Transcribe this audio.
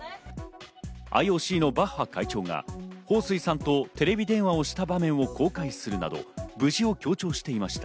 ＩＯＣのバッハ会長がホウ・スイさんとテレビ電話をした場面を公開するなど無事を強調していました。